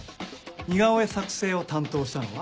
似顔絵作成を担当したのは？